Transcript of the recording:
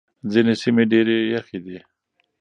ځينې سيمې ډېرې يخې دي.